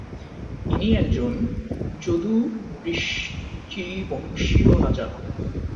ইনি একজন যদু-বৃষ্ণিবংশীয় রাজা।